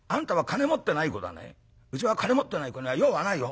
うちは金持ってない子には用はないよ。